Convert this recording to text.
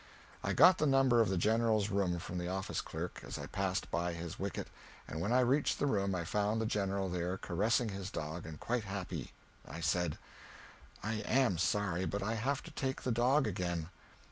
I got the number of the General's room from the office clerk, as I passed by his wicket, and when I reached the room I found the General there caressing his dog, and quite happy. I said, "I am sorry, but I have to take the dog again."